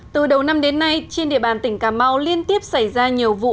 từ đầu năm đến nay trên địa bàn tỉnh cà mau liên tiếp xảy ra nhiều vụ